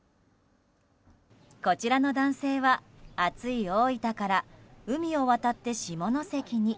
こちらの男性は、暑い大分から海を渡って下関に。